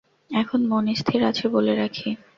এখন মন স্থির আছে বলে রাখি।